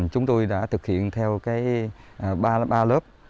chúng tôi đã thực hiện theo ba lớp